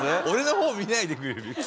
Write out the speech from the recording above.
俺の方見ないでくれる？